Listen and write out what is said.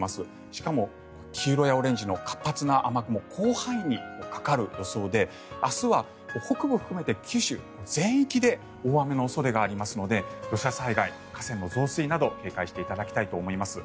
しかも、黄色やオレンジの活発な雨雲が広範囲にかかる予想で明日は北部を含めて九州全域で大雨の恐れがありますので土砂災害、河川の増水など警戒していただきたいと思います。